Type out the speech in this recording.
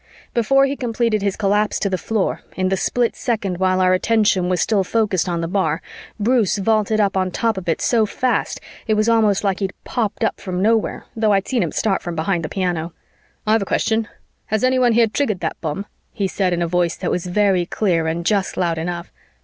Before he completed his collapse to the floor, in the split second while our attention was still focused on the bar, Bruce vaulted up on top of it, so fast it was almost like he'd popped up from nowhere, though I'd seen him start from behind the piano. "I've a question. Has anyone here triggered that bomb?" he said in a voice that was very clear and just loud enough.